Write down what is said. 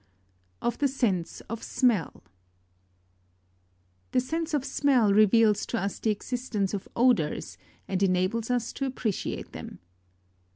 OF THE SENSE OF SMELL. 24. The sense of smell reveals to us the existence of odours and enables us to appreciate them.